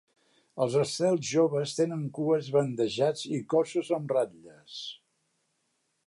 Els estels joves tenen cues bandejats i cossos amb ratlles.